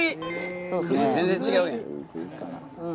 全然違う。